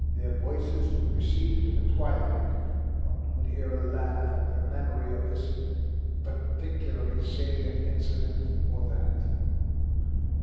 Their voices would recede into the twilight; one would hear a laugh at the memory of this particularly salient incident or that.